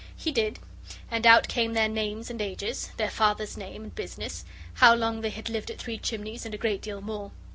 He did, and out came their names and ages their Father's name and business how long they had lived at Three Chimneys and a great deal more.